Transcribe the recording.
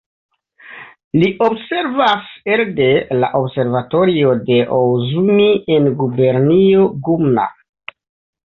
Li observas elde la observatorio de Ooizumi en gubernio Gunma.